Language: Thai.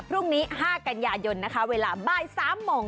พรุ่งนี้๕กันยายนนะคะเวลาบ่าย๓โมง